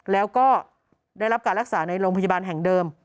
แล้วก็ได้รับการรักษาในโรงพยาบาลแห่งเดิม